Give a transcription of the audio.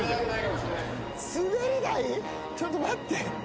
ちょっと待って。